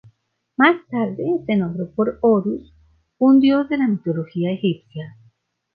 Más tarde se nombró por Horus, un dios de la mitología egipcia.